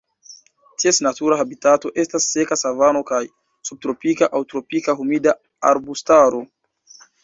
Ties natura habitato estas seka savano kaj subtropika aŭ tropika humida arbustaro.